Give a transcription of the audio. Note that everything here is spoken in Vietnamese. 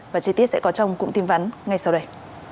và chi tiết sẽ có trong cụm tin vắn ngay sau đây